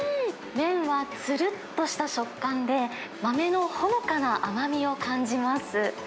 麺はつるっとした食感で、豆のほのかな甘みを感じます。